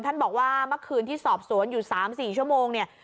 ท่านบอกว่าเมื่อคืนที่สอบสวนอยู่๓๔ชั่วโมงเนี่ย